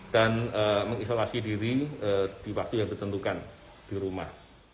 dan mengisolasi diri di waktu yang tertentukan di rumah